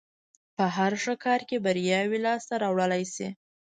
په هر ښه کار کې برياوې لاس ته راوړلای شي.